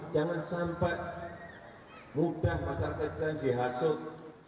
jangan sampai mudah masyarakat kita dihasut